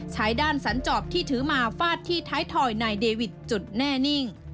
ใช้ด้านสันจอบที่ถือมาฟาดที่ท้ายถอยนายเดวิทจนแน่นิ่ง